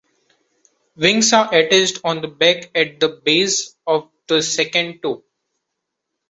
Wings are attached on the back, at the base of the second toe.